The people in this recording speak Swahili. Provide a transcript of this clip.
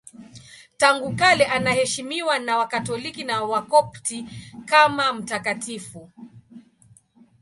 Tangu kale anaheshimiwa na Wakatoliki na Wakopti kama mtakatifu.